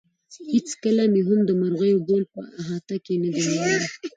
هېڅکله مې هم د مرغیو بول په احاطه کې نه دي لیدلي.